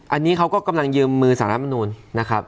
อันนี้เขาก็กำลังยืมมือสารมนูลนะครับ